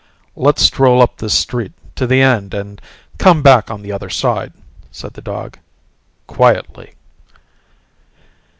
"Let's stroll up this street to the end and come back on the other side," said the dog. "Quietly."